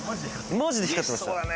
マジで光ってました。